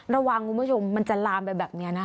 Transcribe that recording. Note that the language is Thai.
ระวังว่ามันมันจะลามแบบนี้นะ